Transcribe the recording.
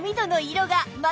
色が。